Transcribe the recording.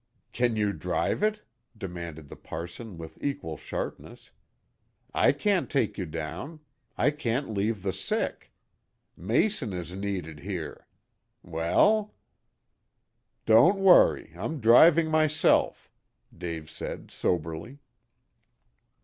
"Can you drive it?" demanded the parson with equal sharpness. "I can't take you down. I can't leave the sick. Mason is needed here. Well?" "Don't worry. I'm driving myself," Dave said soberly.